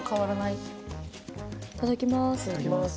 いただきます。